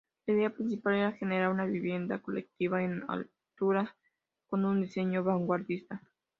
La idea principal era generar una vivienda colectiva en altura con un diseño vanguardista.